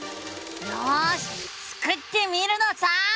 よしスクってみるのさ！